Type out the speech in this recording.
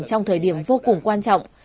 trong thời điểm vô cùng quan trọng